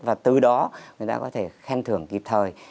và từ đó người ta có thể khen thưởng kịp thời